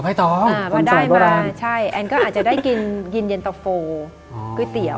พอได้มาแอนก็อาจจะได้กินเย็นเตอร์โฟลก๋วยเตี๋ยว